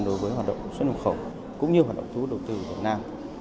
đối với hoạt động xuất nộp khẩu cũng như hoạt động thú đầu tư việt nam